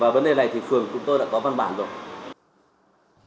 và vấn đề này thì phường của tôi đã có văn bản rồi